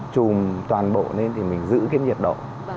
chùm toàn bộ lên thì mình giữ cái nhiệt độ